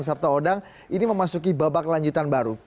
siapa yang mau mundur